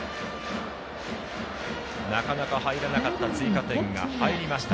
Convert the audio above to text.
なかなか入らなかった追加点が入りました。